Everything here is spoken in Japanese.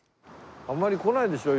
あんまり来ないでしょ？